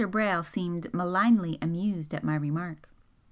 Brayle seemed malignly amused at my remark.